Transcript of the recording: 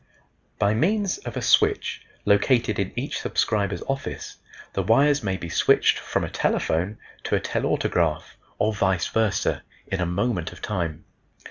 By means of a switch located in each subscriber's office the wires may be switched from a telephone to a telautograph, or vice versa, in a moment of time.